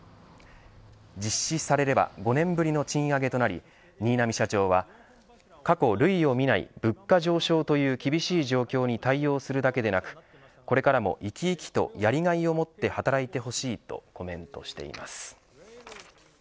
実施されれば５年ぶりの賃上げとなり新浪社長は、過去類を見ない物価上昇という厳しい状況に対応するだけでなくこれからも生き生きとやりがいを持って働いてほしいとコメントしています。